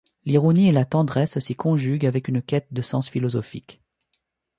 L'ironie et la tendresse s'y conjuguent avec une quête de sens philosophique.